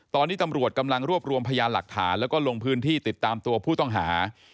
ตอนนี้ตำรวจกำลังรวบรวมพยานหลักฐานแล้วก็ลงพื้นที่ติดตามตัวผู้ต้องหา